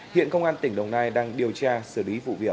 hiện công an tỉnh đồng nai đang điều tra xử lý vụ việc